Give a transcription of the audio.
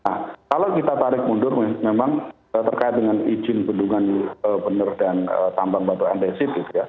nah kalau kita tarik mundur memang terkait dengan izin bendungan bener dan tambang batu andesit gitu ya